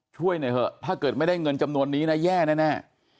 ช่วยหน่อยเถอะถ้าเกิดไม่ได้เงินจำนวนนี้นะแย่แน่